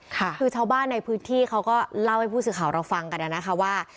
คือชาวบ้านในพื้นที่เขาก็เล่าให้ผู้สื่อข่าวเราฟังกันนะคะว่า